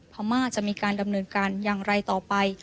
พม่าจะมีการดำเนินการอย่างไรต่อไป